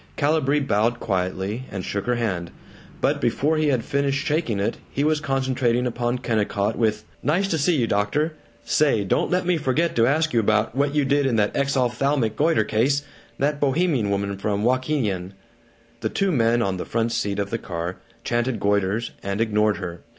Calibree bowed quietly and shook her hand, but before he had finished shaking it he was concentrating upon Kennicott with, "Nice to see you, doctor. Say, don't let me forget to ask you about what you did in that exopthalmic goiter case that Bohemian woman at Wahkeenyan." The two men, on the front seat of the car, chanted goiters and ignored her.